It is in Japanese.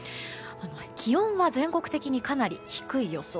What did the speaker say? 気温は全国的にかなり低い予想。